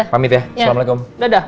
pamit ya assalamualaikum dadah